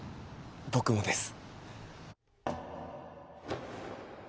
僕もです